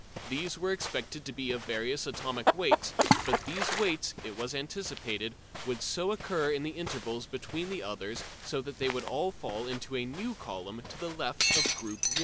These were expected to be of various atomic weights, but these weights, it was anticipated, would so occur in the intervals between the others that they would all fall into a new column to the left of "Group 1."